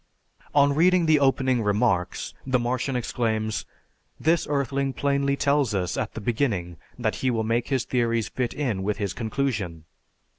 On reading the opening remarks, the Martian exclaims, "This earthling plainly tells us at the beginning that he will make his theories fit in with his conclusion!